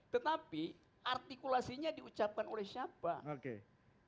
tetapi artikulasinya diucapkan oleh siapa